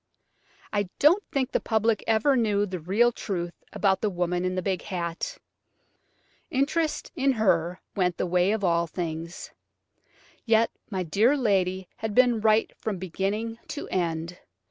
I don't think the public ever knew the real truth about the woman in the big hat. Interest in her went the way of all things. Yet my dear lady had been right from beginning to end.